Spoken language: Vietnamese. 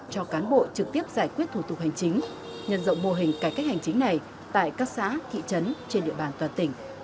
cho cán bộ trực tiếp giải quyết thủ tục hành chính nhân rộng mô hình cải cách hành chính này tại các xã thị trấn trên địa bàn toàn tỉnh